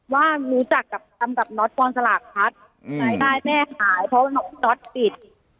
ว่ารู้จักกับทำกับน้อสมองสลากพัดอืมรายได้แม่หายเพราะว่าน้อสปิด